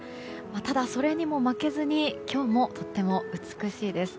ただ、それにも負けずに今日もとても美しいです。